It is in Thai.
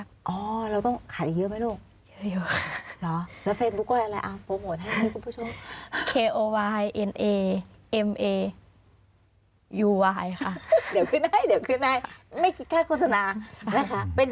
คือเขาก็ตั้งใจหาทุนการศึกษาเขาเองด้วยใช่ไหม